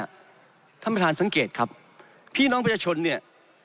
ท่านประธานสังเกตครับพี่น้องประชาชนเนี่ย